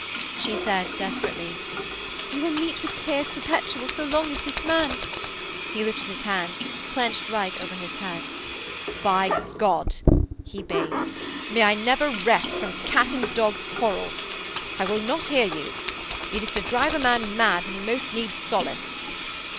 She said desperately: 'You will meet with tears perpetual so long as this man....' He lifted his hand, clenched right over his head. 'By God,' he bayed, 'may I never rest from cat and dog quarrels? I will not hear you. It is to drive a man mad when most he needs solace.'